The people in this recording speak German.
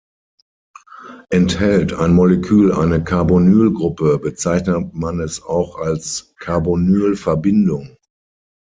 Enthält ein Molekül eine Carbonylgruppe, bezeichnet man es auch als Carbonylverbindung.